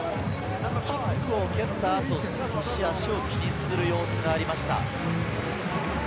キックを蹴った後、少し足を気にする様子がありました。